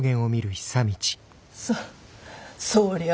そそりゃあ。